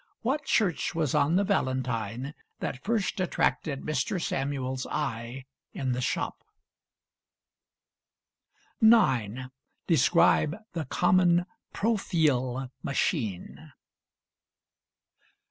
What church was on the valentine that first attracted Mr. Samuel's eye in the shop? 9. Describe the common Profeel machine.